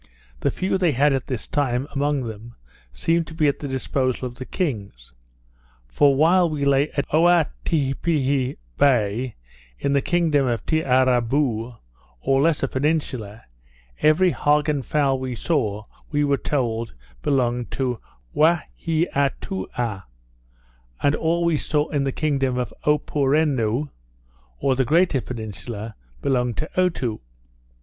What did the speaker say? The few they had at this time, among them, seemed to be at the disposal of the kings. For while we lay at Oaitipiha Bay, in the kingdom of Tiarrabou, or lesser peninsula, every hog or fowl we saw we were told belonged to Waheatoua; and all we saw in the kingdom of Opoureonu, or the greater peninsula, belonged to Otoo.